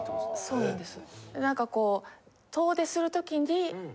そうなんです。